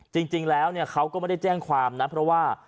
จริงแล้วเขาก็ไม่ได้แจ้งความนะเพราะว่า